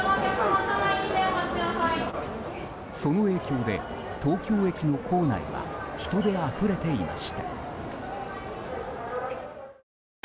その影響で東京駅の構内は人であふれていました。